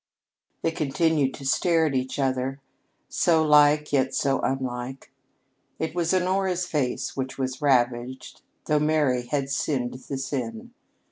They continued to stare at each other so like, yet so unlike. It was Honora's face which was ravaged, though Mary had sinned the sin.